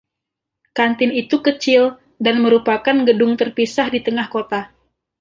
Kantin itu kecil, dan merupakan gedung terpisah di tengah sekolah.